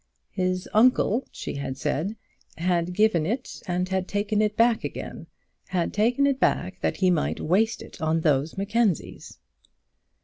"His uncle," she had said, "had given it, and had taken it back again, had taken it back that he might waste it on those Mackenzies."